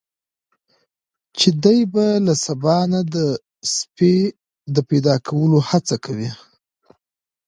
چې دی به له سبا نه د سپي د پیدا کولو هڅه کوي.